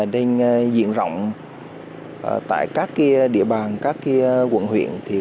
diện rộng tại các địa bàn các quận huyện